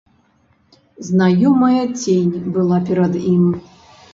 Знаёмая цень была перад ім.